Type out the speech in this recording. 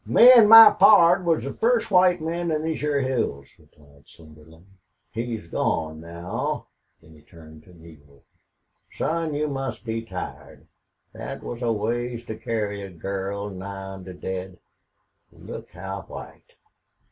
"Me an' my pard was the first white men in these hyar hills," replied Slingerland. "He's gone now." Then he turned to Neale. "Son, you must be tired. Thet was a ways to carry a girl nigh onto dead.... Look how white!